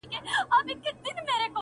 هغه شپه مي ټوله سندريزه وه.